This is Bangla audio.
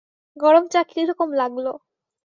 গরম চা কী রকম লাগল?